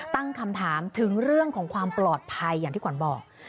ตั้งคำถามถึงเรื่องของความปลอดภัยอย่างที่ขวัญบอก